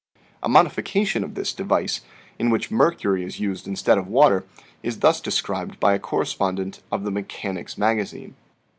A modification of this device, in which mercury is used instead of water, is thus described by a correspondent of "The Mechanic's Magazine."